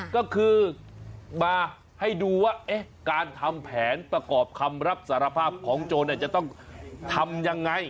ก็คือมาให้ดูว่าการทำแผนประกอบคำรับสารภาพของโจรจะต้องทำยังไง